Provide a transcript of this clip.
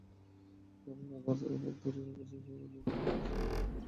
আবার একই সঙ্গে তাঁর ঢাকা সফর স্মরণীয়ও করে রাখতে চায় ওরা।